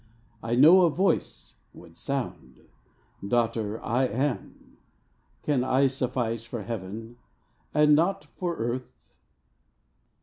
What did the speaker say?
I know a Voice would sound, " Daughter, I AM. Can I suffice for Heaven, and not for earth